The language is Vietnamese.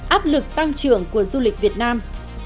áp lực tăng trưởng của du lịch việt nam